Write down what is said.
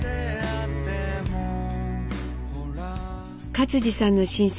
克爾さんの親戚